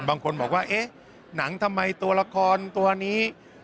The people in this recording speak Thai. บางคนบอกว่าเอ๊ะหนังทำไมตัวละครตัวนี้